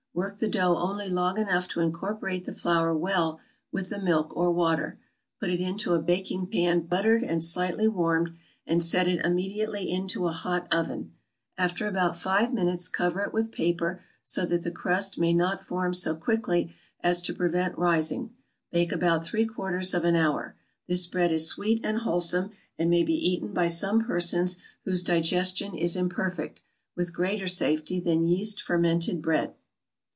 Work the dough only long enough to incorporate the flour well with the milk or water; put it into a baking pan buttered and slightly warmed, and set it immediately into a hot oven; after about five minutes cover it with paper so that the crust may not form so quickly as to prevent rising; bake about three quarters of an hour. This bread is sweet and wholesome, and may be eaten by some persons whose digestion is imperfect, with greater safety than yeast fermented bread.